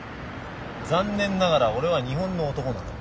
残念ながら俺は日本の男なの。